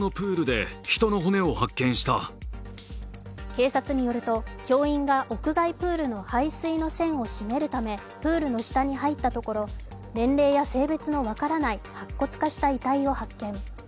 警察によると教員が屋外プールの排水の栓を閉めるためプールの下に入ったところ年齢や性別の分からない白骨化した遺体を発見。